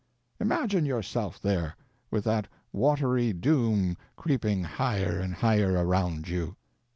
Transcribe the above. Imagine yourself there, with that watery doom creeping higher and higher around you.